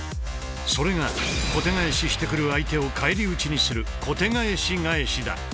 それが小手返ししてくる相手を返り討ちにする小手返し返しだ。